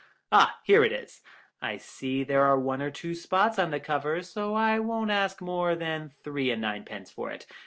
Ah, here it is. I see there are one or two spots on the cover, so I won't ask more than three and ninepence for it.